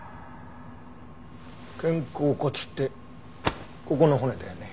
肩甲骨ってここの骨だよね。